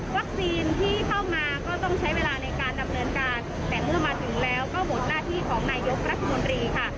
ที่เข้ามาก็ต้องใช้เวลาในการดำเนินการแต่เมื่อมาถึงแล้วก็หมดหน้าที่ของนายกรัฐมนตรีค่ะ